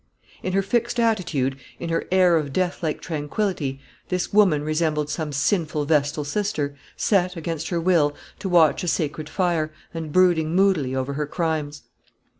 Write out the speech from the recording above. In her fixed attitude, in her air of deathlike tranquillity, this woman resembled some sinful vestal sister, set, against her will, to watch a sacred fire, and brooding moodily over her crimes.